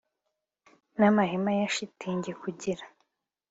n amahema ya shitingi kugira